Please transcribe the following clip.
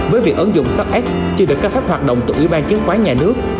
với việc ấn dụng stockx chưa được các pháp hoạt động từ ủy ban chiến khoán nhà nước